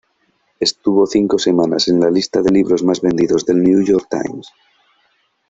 Estuvo cinco semanas en la lista de libros más vendidos del New York Times.